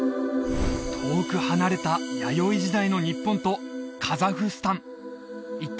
遠く離れた弥生時代の日本とカザフスタン一体